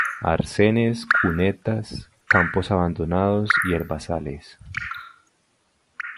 Arcenes, cunetas, campos abandonados y herbazales.